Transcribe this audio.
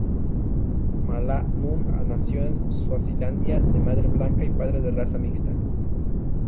Malla Nunn nació en Suazilandia, de madre blanca y padre de "raza mixta".